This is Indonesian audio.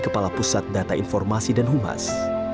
kepala pusat data informasi dan humas